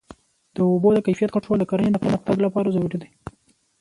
د اوبو د کیفیت کنټرول د کرنې د پرمختګ لپاره ضروري دی.